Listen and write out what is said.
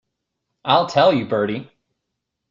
I'll tell you, Bertie.